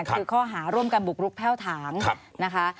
คือข้อหาร่วมกันบุกรุกแพ่วถางนะคะ